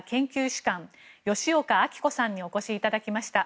主幹吉岡明子さんにお越しいただきました。